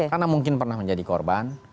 karena mungkin pernah menjadi korban